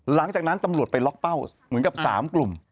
หลังจากนั้นตำรวจไปล็อกเป้าเหมือนกับ๓กลุ่ม